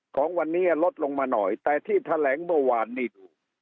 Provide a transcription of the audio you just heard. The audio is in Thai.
ของวันนี้ลดลงมาหน่อยแต่ที่แถลงเมื่อวานนี้